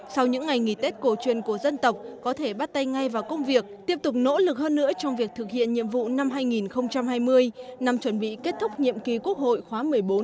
sau những ngày nghỉ tết cổ truyền của dân tộc có thể bắt tay ngay vào công việc tiếp tục nỗ lực hơn nữa trong việc thực hiện nhiệm vụ năm hai nghìn hai mươi năm chuẩn bị kết thúc nhiệm kỳ quốc hội khóa một mươi bốn